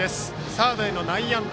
サードへの内野安打。